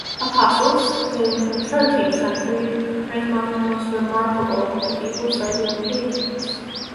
Apostles, dating from the thirteenth century, rank among the most remarkable medieval Serbian paintings.